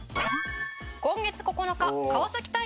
「今月９日川崎対